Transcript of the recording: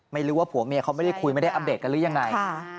ไม่รู้ว่าผัวเมียเขาไม่ได้คุยไม่ได้อัปเดตกันหรือยังไง